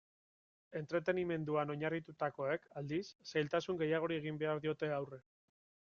Entretenimenduan oinarritutakoek, aldiz, zailtasun gehiagori egin behar diote aurre.